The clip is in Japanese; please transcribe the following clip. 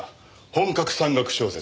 本格山岳小説。